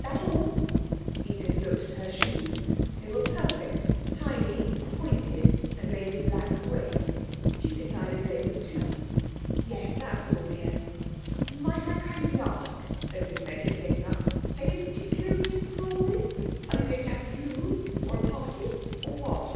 That all?' Edith looked at her shoes; they were perfect, tiny, pointed and made of black suède. She decided they would do. 'Yes, that's all, dear.' 'And might I kindly ask,' said Miss Bennett, getting up, 'any particular reason for all this? Are you going to have the flu, or a party, or what?'